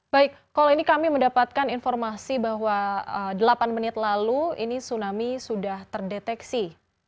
baik kalau ini kami mendapatkan informasi bahwa delapan menit lalu ini tsunami sudah terdeteksi